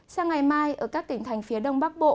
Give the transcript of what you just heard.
sang ngày mai ở các tỉnh thành phía đông bắc bộ